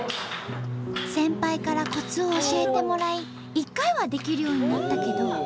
先輩からコツを教えてもらい１回はできるようになったけど。